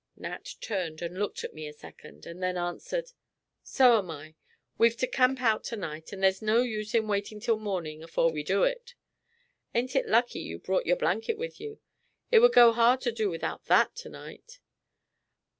Nat turned and looked at me a second, and then answered: "So am I. We've to camp out to night, and there's no use in waiting till morning afore we do it. Ain't it lucky you brought your blanket with you? It would go hard to do without that to night."